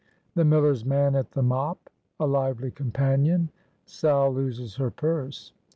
THE MILLER'S MAN AT THE MOP.—A LIVELY COMPANION.—SAL LOSES HER PURSE.